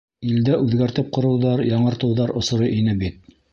Илдә үҙгәртеп ҡороуҙар, яңырыуҙар осоро ине бит.